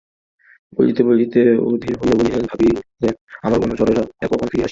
বলিতে বলিতে অধীর হইয়া উঠিলেন, ভাবিলেন– আমার অনুচরেরা কখন ফিরিয়া আসিবে?